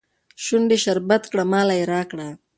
شونډي شربت کړه ماله يې راکړه